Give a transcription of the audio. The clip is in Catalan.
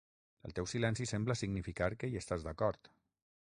El teu silenci sembla significar que hi estàs d'acord.